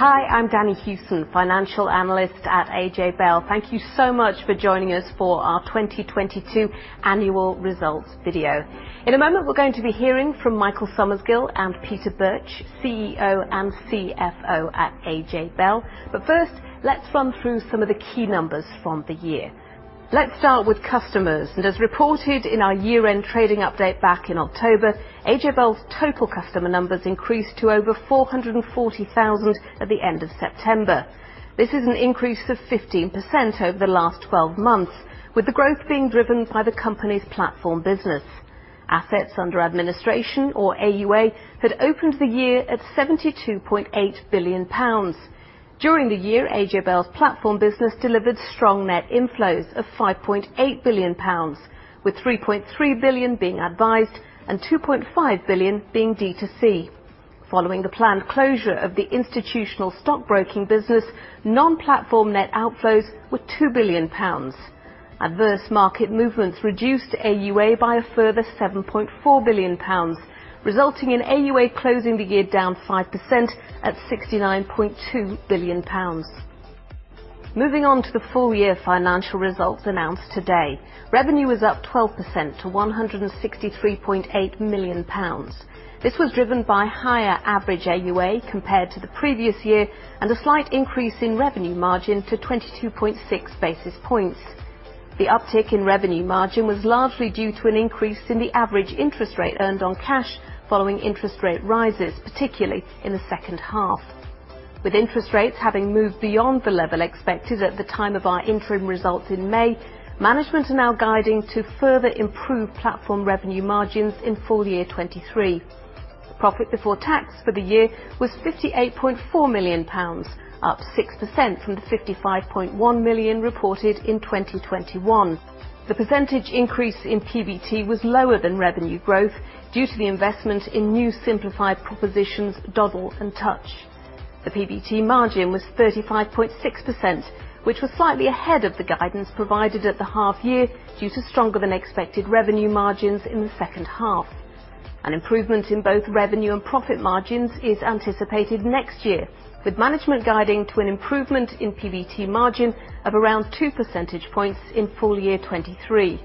Hi, I'm Danni Hewson, financial analyst at AJ Bell. Thank you so much for joining us for our 2022 Annual Results Video. In a moment, we're going to be hearing from Michael Summersgill and Peter Birch, CEO and CFO at AJ Bell. First, let's run through some of the key numbers from the year. Let's start with customers. As reported in our year-end trading update back in October, AJ Bell's total customer numbers increased to over 440,000 at the end of September. This is an increase of 15% over the last 12 months, with the growth being driven by the company's platform business. Assets Under Administration, or AUA, had opened the year at GBP 72.8 billion. During the year, AJ Bell's platform business delivered strong net inflows of GBP 5.8 billion, with GBP 3.3 billion being advised and GBP 2.5 billion being D2C. Following the planned closure of the institutional stockbroking business, non-platform net outflows were 2 billion pounds. Adverse market movements reduced AUA by a further 7.4 billion pounds, resulting in AUA closing the year down 5% at 69.2 billion pounds. Moving on to the full year financial results announced today. Revenue was up 12% to 163.8 million pounds. This was driven by higher average AUA compared to the previous year and a slight increase in revenue margin to 22.6 basis points. The uptick in revenue margin was largely due to an increase in the average interest rate earned on cash following interest rate rises, particularly in the second half. With interest rates having moved beyond the level expected at the time of our interim results in May, management are now guiding to further improve platform revenue margins in full year '2023. Profit before tax for the year was 58.4 million pounds, up 6% from the 55.1 million reported in 2021. The percentage increase in PBT was lower than revenue growth due to the investment in new simplified propositions, Dodl and Touch. The PBT margin was 35.6%, which was slightly ahead of the guidance provided at the half year due to stronger than expected revenue margins in the second half. An improvement in both revenue and profit margins is anticipated next year, with management guiding to an improvement in PBT margin of around two percentage points in FY 2023.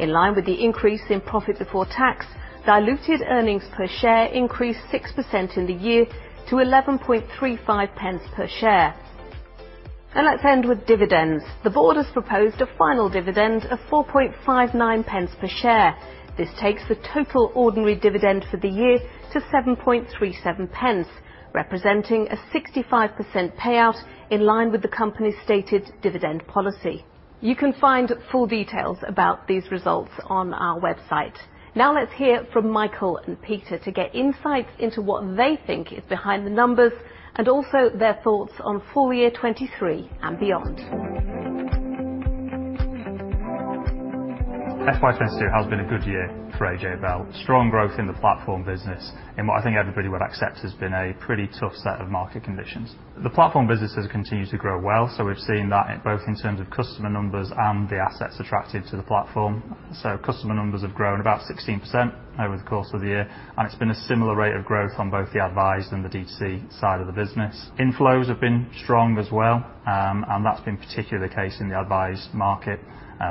In line with the increase in profit before tax, diluted earnings per share increased 6% in the year to 0.1135 per share. Let's end with dividends. The board has proposed a final dividend of 0.0459 per share. This takes the total ordinary dividend for the year to 0.0737, representing a 65% payout in line with the company's stated dividend policy. You can find full details about these results on our website. Now let's hear from Michael and Peter to get insights into what they think is behind the numbers, and also their thoughts on FY 2023 and beyond. FY 2022 has been a good year for AJ Bell. Strong growth in the platform business in what I think everybody would accept has been a pretty tough set of market conditions. The platform business has continued to grow well, so we've seen that in both in terms of customer numbers and the assets attracted to the platform. Customer numbers have grown about 16% over the course of the year, and it's been a similar rate of growth on both the advised and the D2C side of the business. Inflows have been strong as well, and that's been particularly the case in the advised market,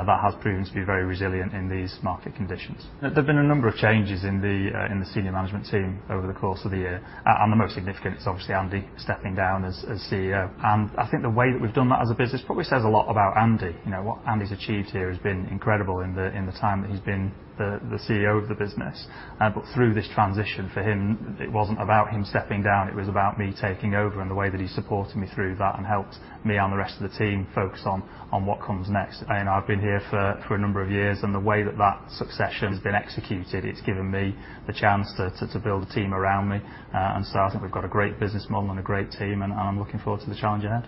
that has proven to be very resilient in these market conditions. There've been a number of changes in the senior management team over the course of the year. The most significant is obviously Andy stepping down as CEO. I think the way that we've done that as a business probably says a lot about Andy. You know, what Andy's achieved here has been incredible in the time that he's been the CEO of the business. Through this transition, for him, it wasn't about him stepping down, it was about me taking over and the way that he supported me through that and helped me and the rest of the team focus on what comes next. I've been here for a number of years, and the way that that succession has been executed, it's given me the chance to build a team around me. I think we've got a great business model and a great team and I'm looking forward to the challenge ahead.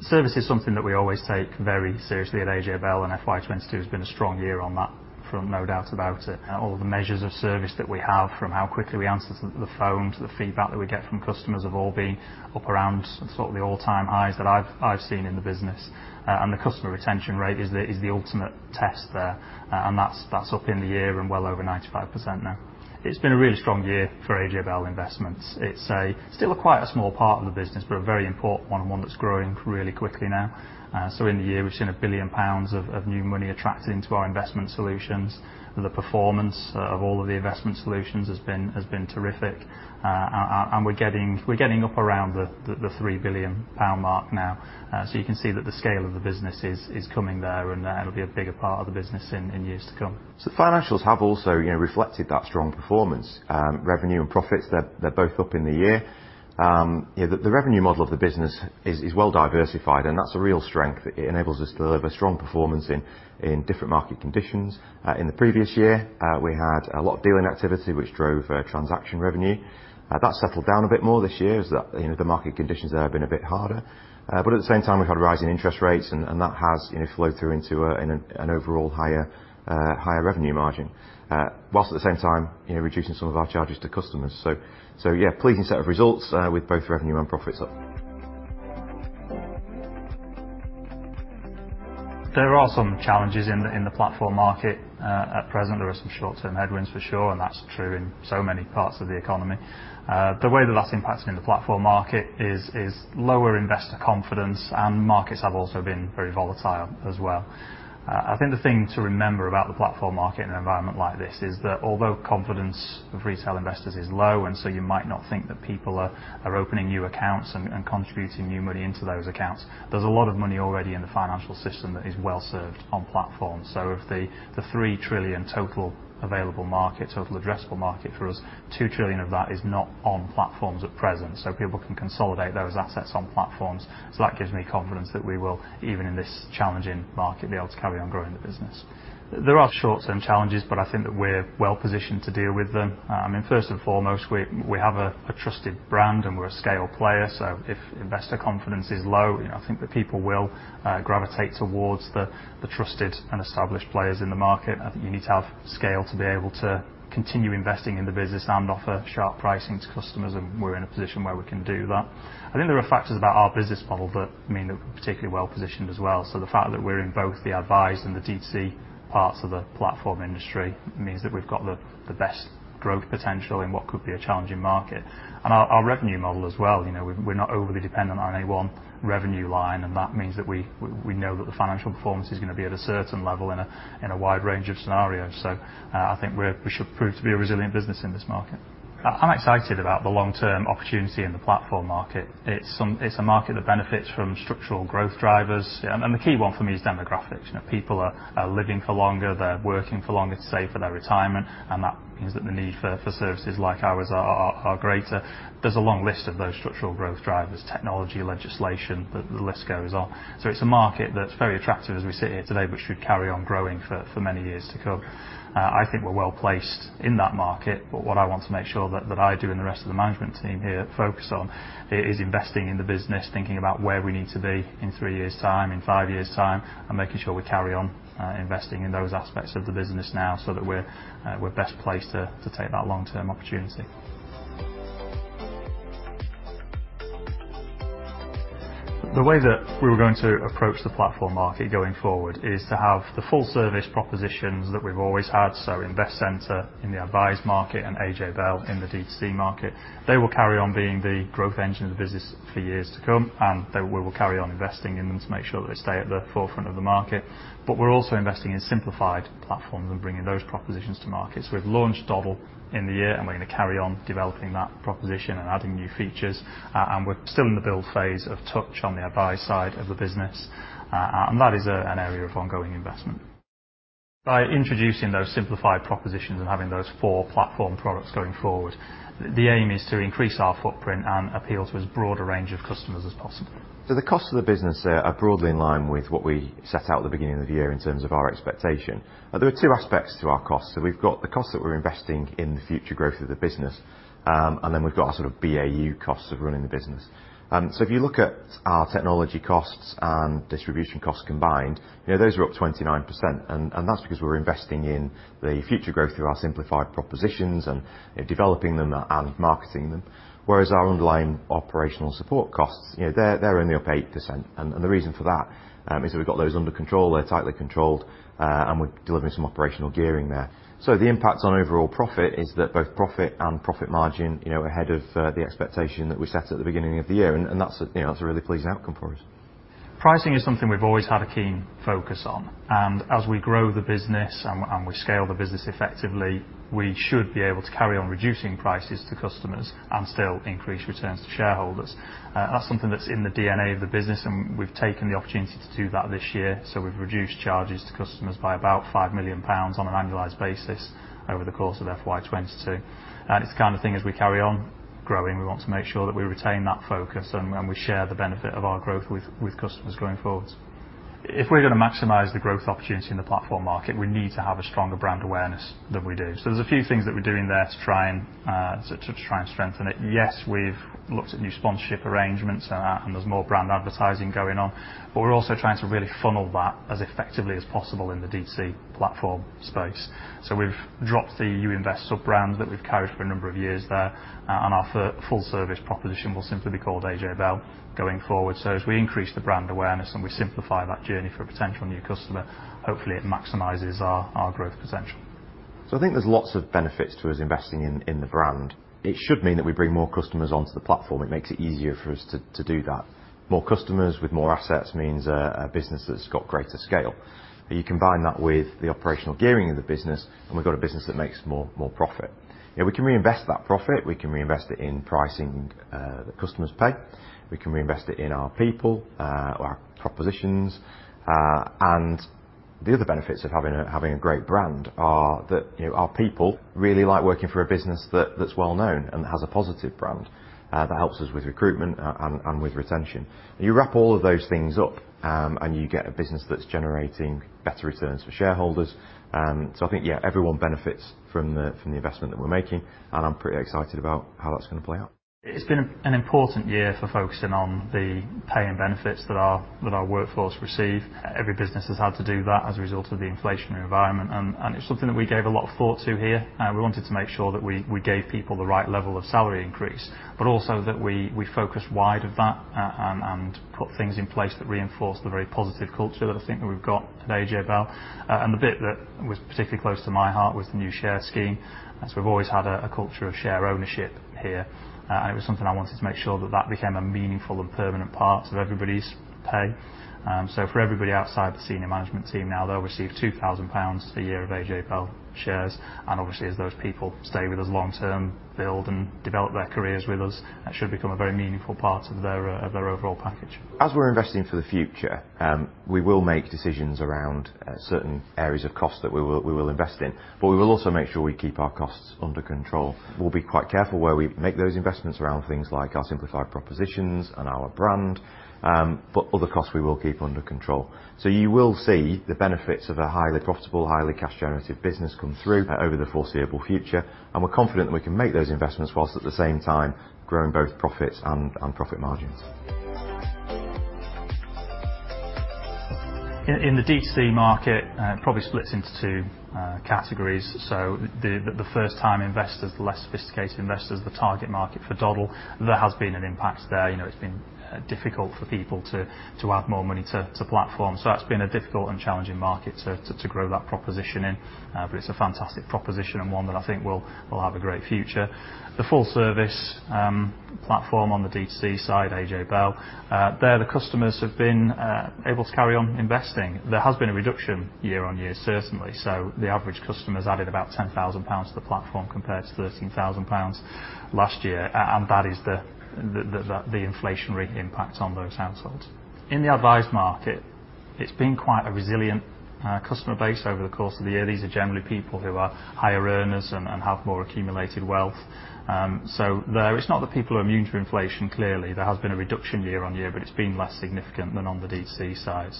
Service is something that we always take very seriously at AJ Bell, FY 2022 has been a strong year on that front, no doubt about it. All the measures of service that we have, from how quickly we answer the phone to the feedback that we get from customers have all been up around sort of the all-time highs that I've seen in the business. The customer retention rate is the ultimate test there. That's up in the year and well over 95% now. It's been a really strong year for AJ Bell Investments. It's a still quite a small part of the business, but a very important one, and one that's growing really quickly now. In the year, we've seen 1 billion pounds of new money attracted into our investment solutions. The performance of all of the investment solutions has been terrific. We're getting up around the 3 billion pound mark now. You can see that the scale of the business is coming there and it'll be a bigger part of the business in years to come. Financials have also, you know, reflected that strong performance. Revenue and profits, they're both up in the year. You know, the revenue model of the business is well diversified, and that's a real strength. It enables us to deliver strong performance in different market conditions. In the previous year, we had a lot of dealing activity which drove transaction revenue. That settled down a bit more this year as, you know, the market conditions there have been a bit harder. At the same time, we've had rising interest rates and that has, you know, flowed through into an overall higher revenue margin, whilst at the same time, you know, reducing some of our charges to customers. So yeah, pleasing set of results, with both revenue and profits up. There are some challenges in the platform market. At present, there are some short-term headwinds for sure, that's true in so many parts of the economy. The way that that's impacting the platform market is lower investor confidence, markets have also been very volatile as well. I think the thing to remember about the platform market in an environment like this is that although confidence of retail investors is low, you might not think that people are opening new accounts and contributing new money into those accounts, there's a lot of money already in the financial system that is well served on platforms. If the 3 trillion total available market, total addressable market for us, 2 trillion of that is not on platforms at present, people can consolidate those assets on platforms. That gives me confidence that we will, even in this challenging market, be able to carry on growing the business. There are short-term challenges, but I think that we're well positioned to deal with them. First and foremost, we have a trusted brand, and we're a scale player, so if investor confidence is low, you know, I think the people will gravitate towards the trusted and established players in the market. I think you need to have scale to be able to continue investing in the business and offer sharp pricing to customers, and we're in a position where we can do that. I think there are factors about our business model that mean that we're particularly well positioned as well. The fact that we're in both the advised and the D2C parts of the platform industry means that we've got the best growth potential in what could be a challenging market. Our revenue model as well, you know, we're not overly dependent on any one revenue line, and that means that we know that the financial performance is gonna be at a certain level in a wide range of scenarios. I think we should prove to be a resilient business in this market. I'm excited about the long-term opportunity in the platform market. It's a market that benefits from structural growth drivers, and the key one for me is demographics. You know, people are living for longer, they're working for longer to save for their retirement. That means that the need for services like ours are greater. There's a long list of those structural growth drivers, technology, legislation, the list goes on. It's a market that's very attractive as we sit here today, but should carry on growing for many years to come. I think we're well-placed in that market, but what I want to make sure that I do and the rest of the management team here focus on is investing in the business, thinking about where we need to be in three years' time, in five years' time, making sure we carry on investing in those aspects of the business now so that we're best placed to take that long-term opportunity. The way that we were going to approach the platform market going forward is to have the full service propositions that we've always had, so Investcentre in the advised market and AJ Bell in the DTC market. They will carry on being the growth engine of the business for years to come, we will carry on investing in them to make sure that they stay at the forefront of the market. We're also investing in simplified platforms and bringing those propositions to markets. We've launched Dodl in the year, we're gonna carry on developing that proposition and adding new features. We're still in the build phase of Touch on the advised side of the business. That is an area of ongoing investment. By introducing those simplified propositions and having those four platform products going forward, the aim is to increase our footprint and appeal to as broad a range of customers as possible. The cost of the business are broadly in line with what we set out at the beginning of the year in terms of our expectation. There are two aspects to our costs. We've got the cost that we're investing in the future growth of the business, and then we've got our sort of BAU costs of running the business. If you look at our technology costs and distribution costs combined, you know, those are up 29%, and that's because we're investing in the future growth through our simplified propositions and, you know, developing them and marketing them. Whereas our underlying operational support costs, you know, they're only up 8%. The reason for that is we've got those under control. They're tightly controlled, and we're delivering some operational gearing there. The impact on overall profit is that both profit and profit margin, you know, ahead of the expectation that we set at the beginning of the year, and that's, you know, that's a really pleasing outcome for us. Pricing is something we've always had a keen focus on. As we grow the business and we scale the business effectively, we should be able to carry on reducing prices to customers and still increase returns to shareholders. That's something that's in the DNA of the business, we've taken the opportunity to do that this year. We've reduced charges to customers by about 5 million pounds on an annualized basis over the course of FY 2022. It's the kind of thing as we carry on growing, we want to make sure that we retain that focus and we share the benefit of our growth with customers going forward. If we're gonna maximize the growth opportunity in the platform market, we need to have a stronger brand awareness than we do. There's a few things that we're doing there to try and strengthen it. Yes, we've looked at new sponsorship arrangements and that, and there's more brand advertising going on. We're also trying to really funnel that as effectively as possible in the D2C platform space. We've dropped the invest sub-brand that we've carried for a number of years there, and our full service proposition will simply be called AJ Bell going forward. As we increase the brand awareness and we simplify that journey for a potential new customer, hopefully it maximizes our growth potential. I think there's lots of benefits to us investing in the brand. It should mean that we bring more customers onto the platform. It makes it easier for us to do that. More customers with more assets means a business that's got greater scale. You combine that with the operational gearing of the business, and we've got a business that makes more profit. You know, we can reinvest that profit. We can reinvest it in pricing that customers pay. We can reinvest it in our people or our propositions. The other benefits of having a great brand are that, you know, our people really like working for a business that's well-known and has a positive brand. That helps us with recruitment and with retention. You wrap all of those things up, and you get a business that's generating better returns for shareholders. I think, yeah, everyone benefits from the, from the investment that we're making, and I'm pretty excited about how that's gonna play out. It's been an important year for focusing on the pay and benefits that our workforce receive. Every business has had to do that as a result of the inflationary environment and it's something that we gave a lot of thought to here. We wanted to make sure that we gave people the right level of salary increase, but also that we focus wide of that and put things in place that reinforce the very positive culture that I think we've got at AJ Bell. The bit that was particularly close to my heart was the new share scheme, as we've always had a culture of share ownership here. It was something I wanted to make sure that became a meaningful and permanent part of everybody's pay. For everybody outside the senior management team, now they'll receive 2,000 pounds a year of AJ Bell shares, and obviously as those people stay with us long-term, build and develop their careers with us, that should become a very meaningful part of their of their overall package. As we're investing for the future, we will make decisions around certain areas of cost that we will invest in. We will also make sure we keep our costs under control. We'll be quite careful where we make those investments around things like our simplified propositions and our brand, but other costs we will keep under control. You will see the benefits of a highly profitable, highly cash generative business come through over the foreseeable future, and we're confident that we can make those investments while at the same time growing both profits and profit margins. In the DTC market, it probably splits into two categories. The first-time investors, the less sophisticated investors, the target market for Dodl, there has been an impact there. You know, it's been difficult for people to add more money to platform. That's been a difficult and challenging market to grow that proposition in. It's a fantastic proposition and one that I think will have a great future. The full service platform on the DTC side, AJ Bell, there, the customers have been able to carry on investing. There has been a reduction year-on-year, certainly. The average customer's added about 10,000 pounds to the platform, compared to 13,000 pounds last year. And that is the inflationary impact on those households. In the advised market, it's been quite a resilient customer base over the course of the year. These are generally people who are higher earners and have more accumulated wealth. There, it's not that people are immune to inflation, clearly. There has been a reduction year-on-year, but it's been less significant than on the DTC side.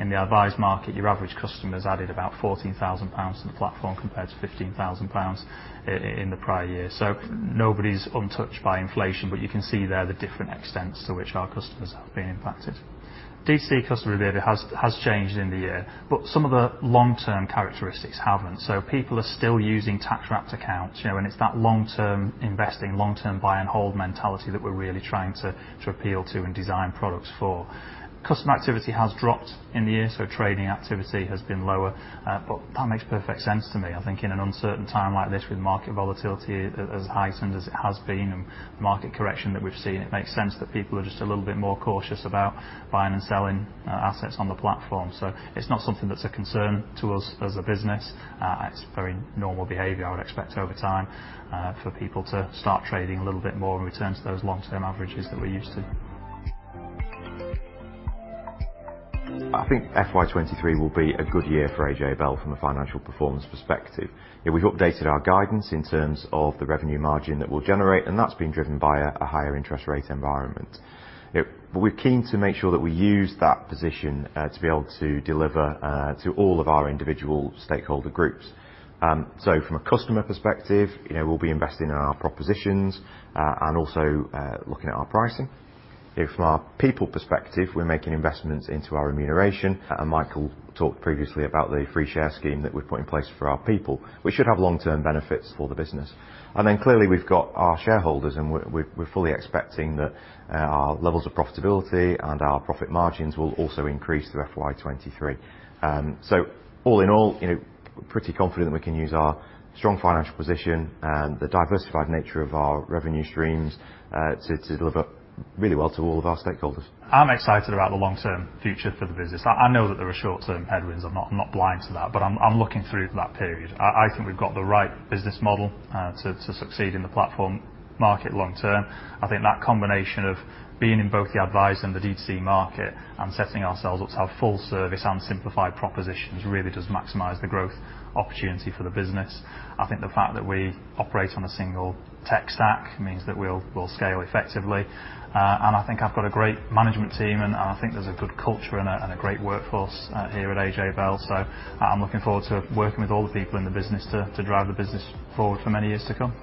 In the advised market, your average customer's added about 14,000 pounds to the platform, compared to 15,000 pounds in the prior year. Nobody's untouched by inflation, but you can see there the different extents to which our customers have been impacted. DTC customer behavior has changed in the year, but some of the long-term characteristics haven't. People are still using tax-wrapped accounts, you know, and it's that long-term investing, long-term buy and hold mentality that we're really trying to appeal to and design products for. Customer activity has dropped in the year, so trading activity has been lower. That makes perfect sense to me. I think in an uncertain time like this with market volatility as heightened as it has been and market correction that we've seen, it makes sense that people are just a little bit more cautious about buying and selling assets on the platform. It's not something that's a concern to us as a business. It's very normal behavior. I would expect over time for people to start trading a little bit more and return to those long-term averages that we're used to. I think FY 2023 will be a good year for AJ Bell from a financial performance perspective. You know, we've updated our guidance in terms of the revenue margin that we'll generate, and that's been driven by a higher interest rate environment. You know, we're keen to make sure that we use that position to be able to deliver to all of our individual stakeholder groups. From a customer perspective, you know, we'll be investing in our propositions and also looking at our pricing. From a people perspective, we're making investments into our remuneration, and Michael talked previously about the free share scheme that we've put in place for our people, which should have long-term benefits for the business. Clearly we've got our shareholders, and we're fully expecting that our levels of profitability and our profit margins will also increase through FY 2023. All in all, you know, pretty confident that we can use our strong financial position and the diversified nature of our revenue streams, to deliver really well to all of our stakeholders. I'm excited about the long-term future for the business. I know that there are short-term headwinds. I'm not blind to that, but I'm looking through to that period. I think we've got the right business model to succeed in the platform market long-term. I think that combination of being in both the advised and the DTC market and setting ourselves up to have full service and simplified propositions really does maximize the growth opportunity for the business. I think the fact that we operate on a single tech stack means that we'll scale effectively. I think I've got a great management team, and I think there's a good culture and a great workforce here at AJ Bell. I'm looking forward to working with all the people in the business to drive the business forward for many years to come.